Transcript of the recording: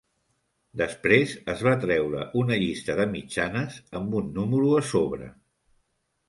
Després, es va treure una llista de mitjanes amb un número a sobre.